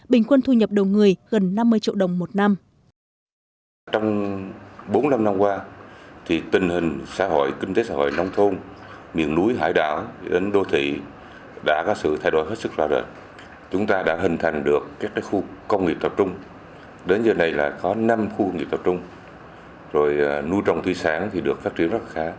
bình quân thu nhập đầu người gần năm mươi triệu đồng một năm